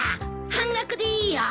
半額でいいよ。